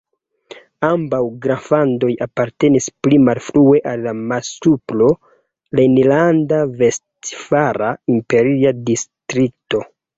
Ambaŭ graflandoj apartenis pli malfrue al la Malsupro-Rejnlanda-Vestfala Imperia Distrikto.